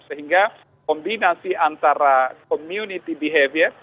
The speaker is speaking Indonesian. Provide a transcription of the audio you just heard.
sehingga kombinasi antara community behavior